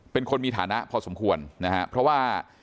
เป็นคนมีฐาพอสมควรนะ